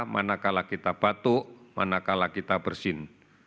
manakala kita batuk manakala kita bersin